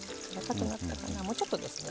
もうちょっとですね。